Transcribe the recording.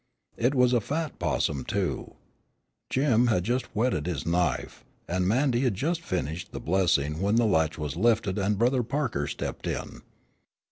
It was a fat possum too. Jim had just whetted his knife, and Mandy had just finished the blessing when the latch was lifted and Brother Parker stepped in.